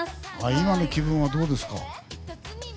今の気分はどうですか？